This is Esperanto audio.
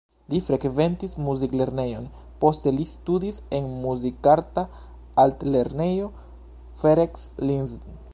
Li frekventis muziklernejon, poste li studis en Muzikarta Altlernejo Ferenc Liszt.